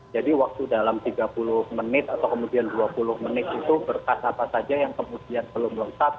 jadi waktu dalam tiga puluh menit atau kemudian dua puluh menit itu berkas apa saja yang kemudian belum lengkap